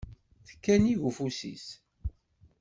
Tekka-nnig ufus-is.